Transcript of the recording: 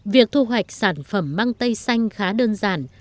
việc thu hoạch sản phẩm mang tây xanh khá đơn giản